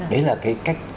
đấy là cái cách